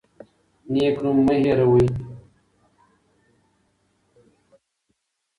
نیک نوم مه هیروئ.